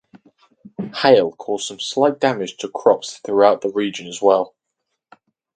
Hail caused some slight damage to crops throughout the region as well.